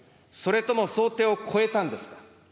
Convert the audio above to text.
それとも想定を超えたんですか。